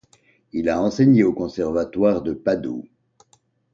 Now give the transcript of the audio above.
Il a enseigné au conservatoire de Padoue.